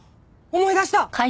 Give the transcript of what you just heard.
思い出した！